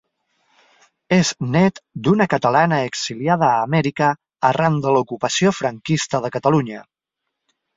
És nét d'una catalana exiliada a Amèrica arran de l'ocupació franquista de Catalunya.